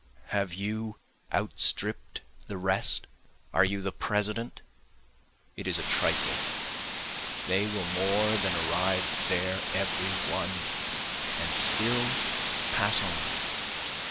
Have you outstript the rest? are you the President? It is a trifle, they will more than arrive there every one, and still pass on.